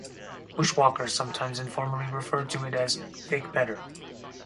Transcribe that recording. Bushwalkers sometimes informally refer to it as "Fake Pedder".